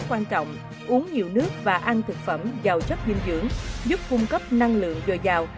uống nhiều nước và ăn thực phẩm giàu chất dinh dưỡng giúp cung cấp năng lượng dồi dào